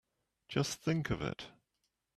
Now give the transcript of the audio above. Just think of it!